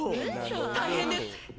大変です！